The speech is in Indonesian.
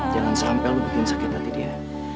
jangan sampai lu bikin sakit hati dia